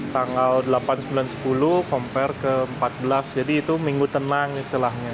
tanggal delapan sembilan sepuluh compare ke empat belas jadi itu minggu tenang istilahnya